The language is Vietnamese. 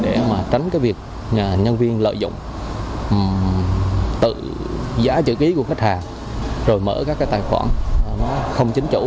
để mà tránh cái việc nhân viên lợi dụng tự giá chữ ký của khách hàng rồi mở các cái tài khoản không chính chủ